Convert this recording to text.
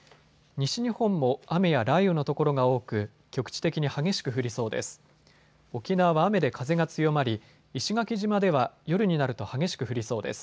西日本も雨や雷雨の所が多く局地的に激しく降りそうです。